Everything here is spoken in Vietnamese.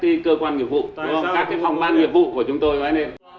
bởi vì đó có các cơ quan nghiệp vụ các phòng ban nghiệp vụ của chúng tôi